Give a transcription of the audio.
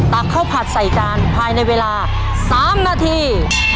ตักข้าวผัดใส่จานภายในเวลา๓นาที